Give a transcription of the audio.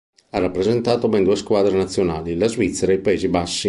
Ha rappresentato ben due squadre nazionali: la Svizzera e i Paesi Bassi.